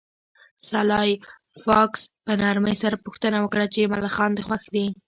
سلای فاکس په نرمۍ سره پوښتنه وکړه چې ملخان دې خوښ دي